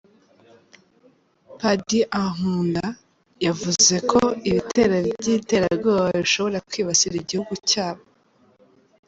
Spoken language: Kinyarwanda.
Paddy Ankunda yavuze ko ibitero by’iterabwoba bishobora kwibasira igihugu cyabo.